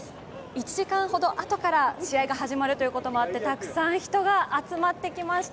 １時間ほどあとから試合が始まるということもあってたくさん人が集まってきました。